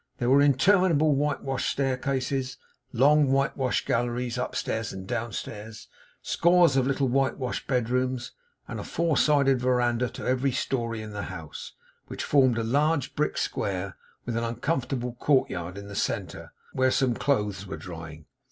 There were interminable whitewashed staircases, long whitewashed galleries upstairs and downstairs, scores of little whitewashed bedrooms, and a four sided verandah to every story in the house, which formed a large brick square with an uncomfortable courtyard in the centre, where some clothes were drying.